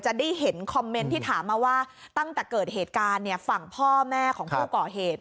จะได้เห็นคอมเมนต์ที่ถามมาว่าตั้งแต่เกิดเหตุการณ์ฝั่งพ่อแม่ของผู้ก่อเหตุ